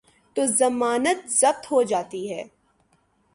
تو ضمانت ضبط ہو جاتی ہے۔